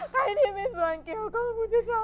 ใครที่มีส่วนเกี่ยวก็กูจะทำ